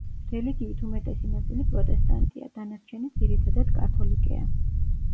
რელიგიით უმეტესი ნაწილი პროტესტანტია, დანარჩენი ძირითადად კათოლიკეა.